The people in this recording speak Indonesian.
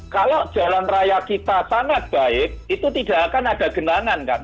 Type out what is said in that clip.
kalau jalan raya kita sangat baik itu tidak akan ada genangan kan